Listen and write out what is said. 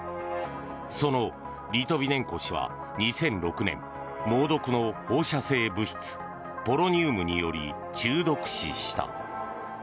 そのリトビネンコ氏は２００６年猛毒の放射性物質ポロニウムにより中毒死した。